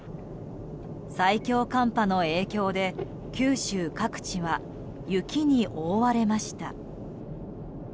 最強寒波の影響で九州各地は、雪に覆われました。